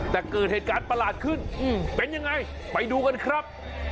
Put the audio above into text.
แต่เกิดเหตุการณ์ประหลาดขึ้นเป็นยังไงไปดูกันครับ